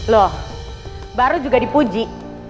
loh baru juga dipuji